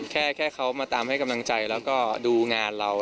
แค่เขามาตามให้กำลังใจแล้วก็ดูงานเรา